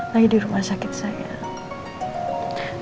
lagi di rumah sakit sayang